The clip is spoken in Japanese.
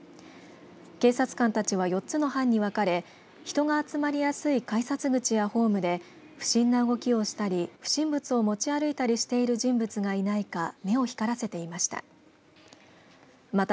警察官たちは４つの班に分かれ人が集まりやすい改札口やホームで不審な動きをしたり不審物を持ち歩いたりしている人物がいないか目を光らせていました。